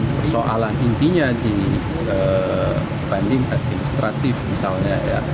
persoalan intinya di banding administratif misalnya